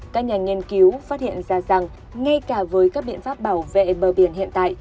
các nhà nghiên cứu phát hiện ra rằng ngay cả với các biện pháp bảo vệ bờ biển hiện tại